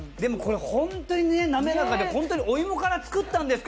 本当に滑らかで、本当にお芋から作ったんですか？